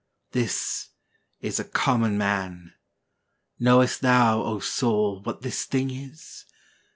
'This is a common man: knowest thou, O soul, What this thing is?